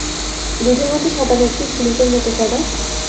দুধের মতো সাদা নাকি, ঝিনুকের মতো সাদা?